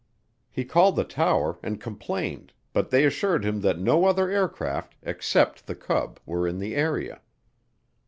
He called the tower and complained but they assured him that no other aircraft except the Cub were in the area.